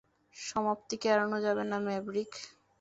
সমাপ্তিকে এড়ানো যাবে না, ম্যাভরিক।